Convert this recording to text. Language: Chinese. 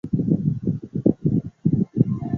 学院在波士顿也有许多附属的医院和研究单位。